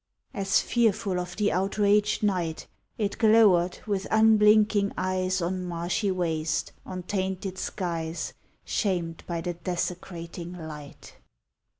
68 MOLOCH As fearful of the outraged night, It glowered with unblinking eyes On marshy waste, on tainted skies Shamed by the desecrating light.